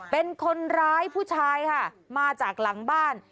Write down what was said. เป็นคนร้ายผู้ชายค่ะมาจากหลังบ้าน